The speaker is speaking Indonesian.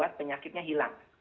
maka penyakitnya hilang